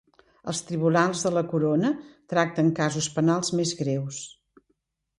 Els Tribunals de la Corona tracten casos penals més greus.